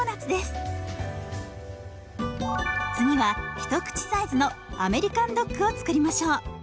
次は一口サイズのアメリカンドッグを作りましょう。